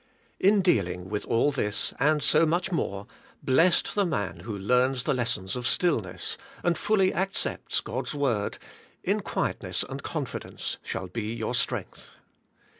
In dealing with all this, and so much more, blessed the man who learns the lessons of stillness, and fully accepts God's word : *In quietness and confidence shall be your strength.'